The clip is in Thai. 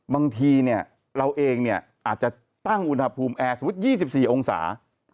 บางทีเราเองอาจจะตั้งอุณหภูมิแอร์สมมุติ๒๔องศา